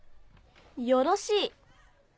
よろしい。